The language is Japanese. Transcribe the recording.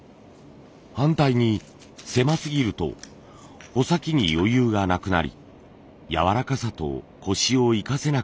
反対に狭すぎると穂先に余裕がなくなりやわらかさとコシを生かせなくなります。